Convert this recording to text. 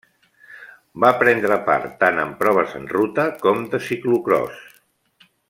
Va prendre part tant en proves en ruta com de ciclocròs.